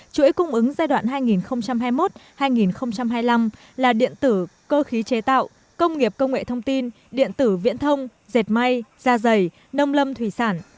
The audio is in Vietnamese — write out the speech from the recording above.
chuỗi cung ứng giai đoạn hai nghìn hai mươi một hai nghìn hai mươi năm là điện tử cơ khí chế tạo công nghiệp công nghệ thông tin điện tử viễn thông dệt may da dày nông lâm thủy sản